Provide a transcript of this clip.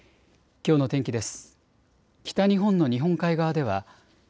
きょうの天気です。